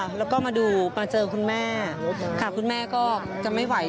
ครับแล้วมาดูมาเจอคุณแม่คุณแม่ก็จะไม่ไหว